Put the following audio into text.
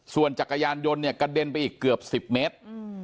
ส่วนจักรยานยนต์เนี่ยกระเด็นไปอีกเกือบ๑๐เมตร